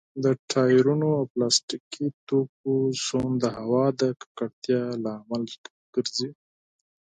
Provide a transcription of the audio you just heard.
د ټايرونو او پلاستيکي توکو سون د هوا د ککړتيا لامل ګرځي.